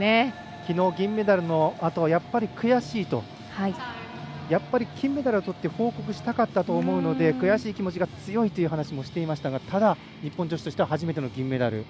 きのう銀メダルのあとはやっぱり悔しいと金メダルをとって報告したかったので、悔しい気持ちも強いということでしたがただ、日本女子としては初めての銀メダル。